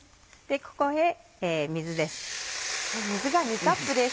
ここへ水です。